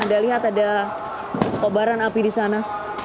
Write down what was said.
anda lihat ada kobaran api di sana